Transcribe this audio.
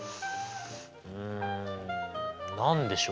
うん何でしょう？